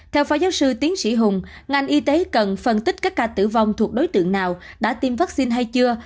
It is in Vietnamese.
theo phó giáo sư tiến sĩ hùng ngành y tế cần phân tích các ca tử vong thuộc đối tượng nào đã tiêm vaccine hay chưa